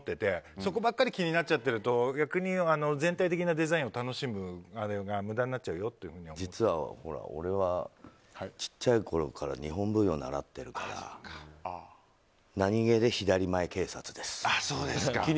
そこばっかり気になっちゃってると逆に全体的なデザインを楽しむのが実は俺は小さいころから日本舞踊を習っているから何気で、左前警察です。